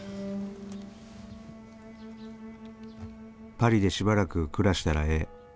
「パリでしばらく暮らしたらええ。